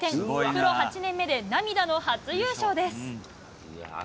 プロ８年目で涙の初優勝です。